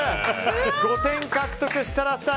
５点獲得、設楽さん